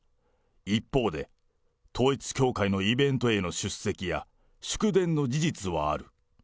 一方で、統一教会のイベントへの出席や祝電の事実はある。